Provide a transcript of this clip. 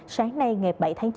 sáng nay ngày bảy tháng chín